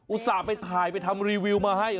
ส่าห์ไปถ่ายไปทำรีวิวมาให้